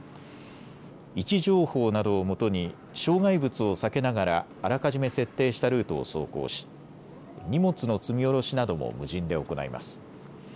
位置情報などをもとに障害物を避けながらあらかじめ設定したルートを走行し荷物の積み降ろしなども無人で行います。